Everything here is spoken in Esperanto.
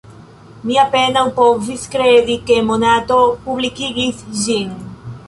Mi apenaŭ povis kredi ke Monato publikigis ĝin.